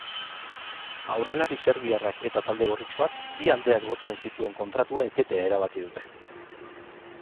Aurrelari serbiarrak eta talde gorritxoak bi aldeak lotzen zituen kontratua etetea erabaki dute.